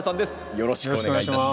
よろしくお願いします。